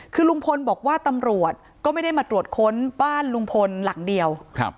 คือลุงพลบอกว่าตำรวจก็ไม่ได้มาตรวจค้นบ้านลุงพลหลังเดียว